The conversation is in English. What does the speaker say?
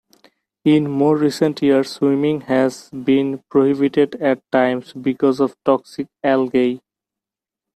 In more recent years, swimming has been prohibited at times because of toxic algae.